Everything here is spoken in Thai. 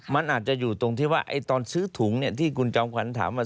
มันอาจจะอยู่ตรงที่ว่าตอนซื้อถุงเนี่ยที่คุณจอมขวัญถามว่า